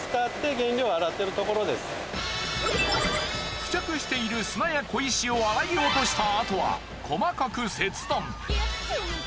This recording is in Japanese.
付着している砂や小石を洗い落としたあとは細かく切断。